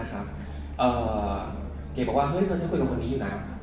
เอ่อเกลียดบอกว่าเฮ้ยเธอคุยกับคนนี้อยู่นะ